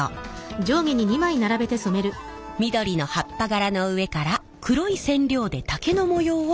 緑の葉っぱ柄の上から黒い染料で竹の模様を染め上げます。